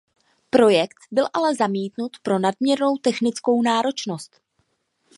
Projekt byl ale zamítnut pro nadměrnou technickou náročnost.